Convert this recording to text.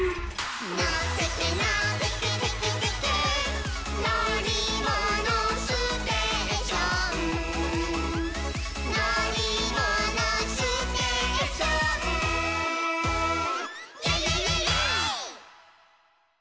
「のってけのってけテケテケ」「のりものステーション」「のりものステーション」「イエイイエイイエイイエイ！」